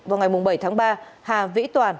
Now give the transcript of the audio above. vào ngày bảy tháng ba hà vĩ toàn